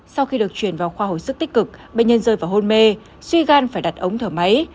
sau khi được chuyển vào khoa hồi sức tích cực bệnh nhân rơi vào hôn mê suy gan phải đặt ống thở máy